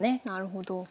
なるほど。